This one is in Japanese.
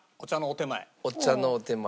お茶のお点前。